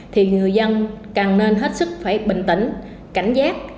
thì người dân càng nên hết sức phải bình tĩnh cảnh giác